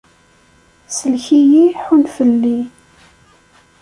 Sellek-iyi, ḥunn fell-i.